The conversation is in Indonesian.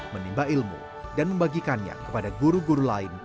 menimba ilmu dan membagikannya kepada guru guru lain